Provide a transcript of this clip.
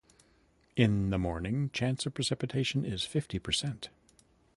In the morning, chance of precipitation is fifty percent.